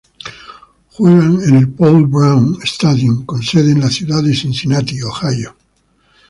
Juegan en el Paul Brown Stadium con sede en la ciudad de Cincinnati, Ohio.